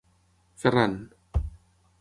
Ferran.